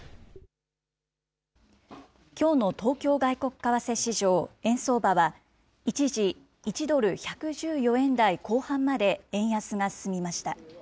きょうの東京外国為替市場、円相場は一時、１ドル１１４円台後半まで円安が進みました。